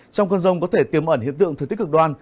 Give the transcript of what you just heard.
trong cơn rông có thể tiêm ẩn hiện tượng thừa tích cực đoan